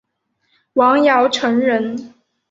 王尧臣人。